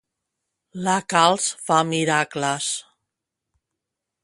La calç fa miracles.